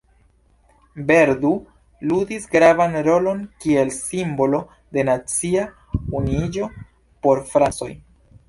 Verdun ludis gravan rolon kiel simbolo de nacia unuiĝo por francoj.